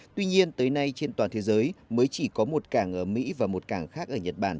tuy nhiên tới nay trên toàn thế giới mới chỉ có một cảng ở mỹ và một cảng khác ở nhật bản